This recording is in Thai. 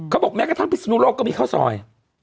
บอกแม้กระทั่งพิศนุโลกก็มีข้าวซอย